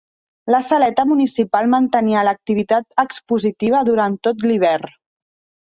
La Saleta Municipal mantenia l'activitat expositiva durant tot l'hivern.